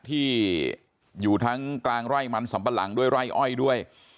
ที่อยู่ทั้งกลางไร่มันสัมปะหลังด้วยไร่อ้อยด้วย